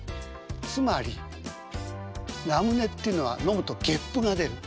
つまりラムネっていうのは飲むとゲップが出る。